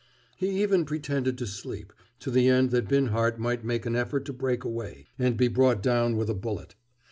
He even pretended to sleep, to the end that Binhart might make an effort to break away—and be brought down with a bullet.